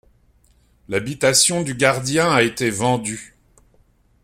L'habitation du gardien a été vendu.